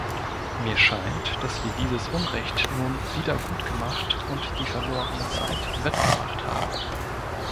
Mir scheint, dass wir dieses Unrecht nun wiedergutgemacht und die verlorene Zeit wettgemacht haben.